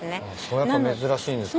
それやっぱ珍しいんですか？